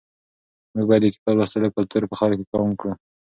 موږ باید د کتاب لوستلو کلتور په خلکو کې عام کړو.